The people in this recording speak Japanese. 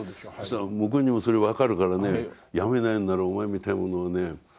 向こうにもそれ分かるからね辞めないんならお前みたいな者はね